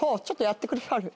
ちょっとやってくださる？